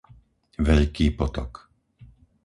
Veľký potok